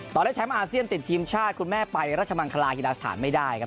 ได้แชมป์อาเซียนติดทีมชาติคุณแม่ไปรัชมังคลาฮิลาสถานไม่ได้ครับ